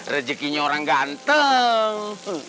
rezekinya orang ganteng